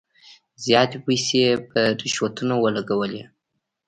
زیاتي پیسې په رشوتونو ولګولې.